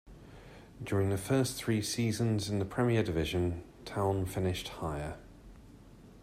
During the first three seasons in the Premier Division, Town finished higher.